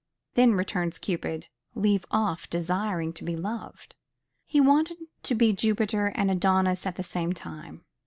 Then, returns Cupid, leave off desiring to be loved. He wanted to be Jupiter and Adonis at the same time.